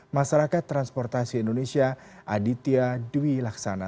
masyarakat transportasi indonesia aditya dwi laksana